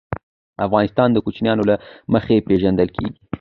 افغانستان د کوچیانو له مخي پېژندل کېږي.